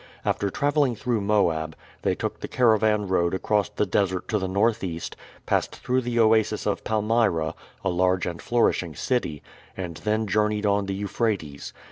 After traveling through Moab, they took the caravan road across the desert to the northeast, passed through the oasis of Palmyra, a large and flourishing city, and then journeyed on the Euphrates.